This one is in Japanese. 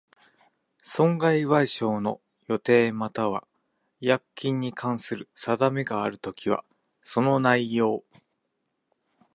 損害賠償額の予定又は違約金に関する定めがあるときは、その内容